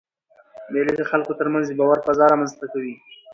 مېلې د خلکو تر منځ د باور فضا رامنځ ته کوي.